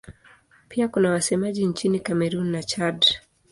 Pia kuna wasemaji nchini Kamerun na Chad.